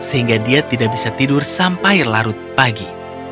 sehingga dia tidak bisa tidur sampai larut pagi